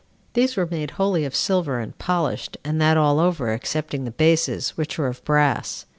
These were made wholly of silver, and polished, and that all over, excepting the bases, which were of brass.